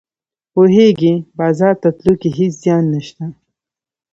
پوهیږې بازار ته تلو کې هیڅ زیان نشته